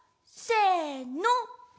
せの！